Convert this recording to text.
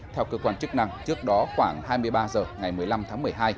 theo cơ quan chức năng trước đó khoảng hai mươi ba h ngày một mươi năm tháng một mươi hai